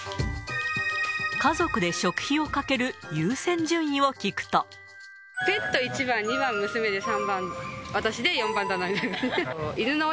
家族で食費をかける優先順位ペット１番、２番娘で、３番私で４番旦那みたいな。